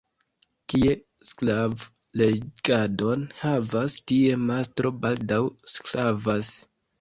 Kie sklav' regadon havas, tie mastro baldaŭ sklavas.